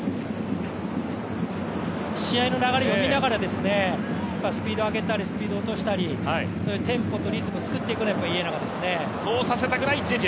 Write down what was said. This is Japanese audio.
試合の流れを読みながらスピードを上げたりスピードを落としたり、テンポとリズムを作っていくのが家長ですね。